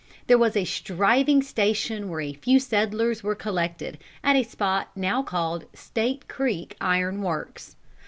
There was a striving station where a few settlers were collected, at a spot now called State Creek Iron Works.